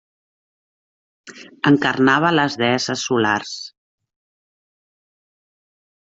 Encarnava les deesses solars.